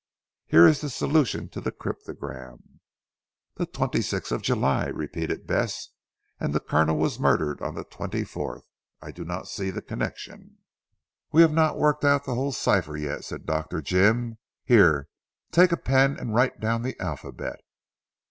"Here is the solution of the cryptogram." "The twenty sixth of July," repeated Bess, "and the Colonel was murdered on the twenty fourth. I do not see the connection." "We have not worked out the whole cipher yet," said Dr. Jim, "here, take a pen and write down the alphabet."